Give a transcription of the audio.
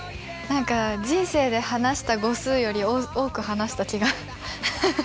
何か人生で話した語数より多く話した気がハハします。